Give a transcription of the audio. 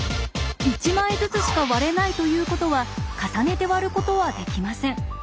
１枚ずつしか割れないということは重ねて割ることはできません。